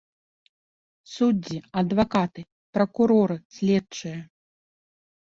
Суддзі, адвакаты, пракуроры, следчыя.